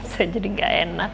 saya jadi ga enak